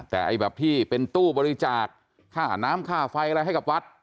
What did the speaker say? แต่ไอ้แบบที่เป็นตู้บริจาคค่าน้ำค่าไฟอะไรให้กับวัด